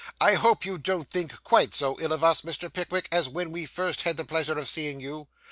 I hope you don't think quite so ill of us, Mr. Pickwick, as when we first had the pleasure of seeing you.